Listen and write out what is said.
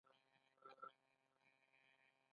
ډرامه د نندارچیانو فکر بدلوي